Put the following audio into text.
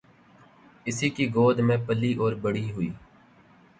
اسی کی گود میں پلی اور بڑی ہوئی۔